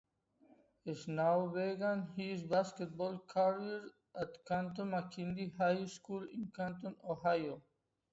Snow began his basketball career at Canton McKinley High School in Canton, Ohio.